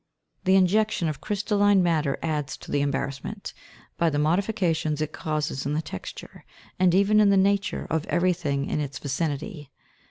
The injection of crystalline matter adds to the embarrassment, by the modifications it causes in the texture, and even in the nature of everything in its vicinity.